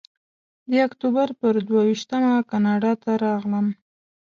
د اکتوبر پر دوه ویشتمه کاناډا ته راغلم.